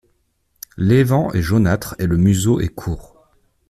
L'évent est jaunâtre et le museau est court.